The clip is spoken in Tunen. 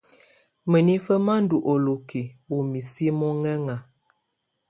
Mǝ́nifǝ́ má ndɔ́ ɔlókiǝ́ ú misi mɔ́ŋɛŋa.